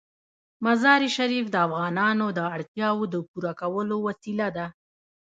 مزارشریف د افغانانو د اړتیاوو د پوره کولو وسیله ده.